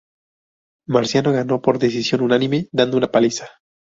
Marciano ganó por decisión unánime dando una paliza.